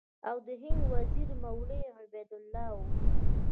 او د هند وزیر یې مولوي عبیدالله و.